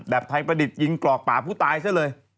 ไทยประดิษฐ์ยิงกรอกป่าผู้ตายซะเลย